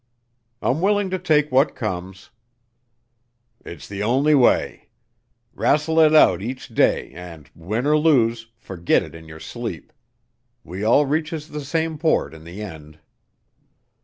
"I'm willing to take what comes." "It's the only way. Wrastle it out each day and, win er lose, forgit it in yer sleep. We all reaches the same port in the end."